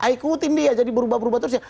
ikutin dia jadi berubah berubah terus ya